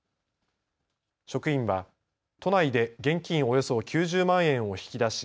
職員は都内で現金およそ９０万円を引き出し